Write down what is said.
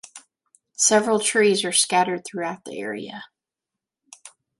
Several trees are scattered through the area.